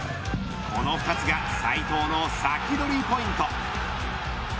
この２つが斉藤のサキドリポイント。